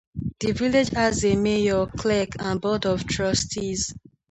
The Village has a mayor, clerk and board of trustees.